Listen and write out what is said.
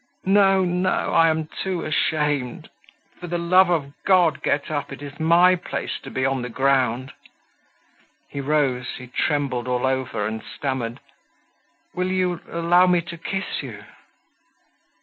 "No, no, I am too ashamed. For the love of God get up. It is my place to be on the ground." He rose, he trembled all over and stammered: "Will you allow me to kiss you?"